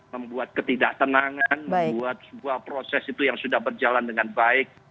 membuat ketidak tenangan membuat sebuah proses itu yang sudah berjalan dengan baik